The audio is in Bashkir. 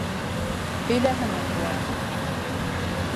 — Һөйләһен Айбулат.